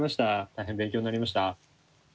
大変勉強になりました。